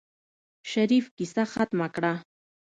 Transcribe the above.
شريف کيسه ختمه کړه.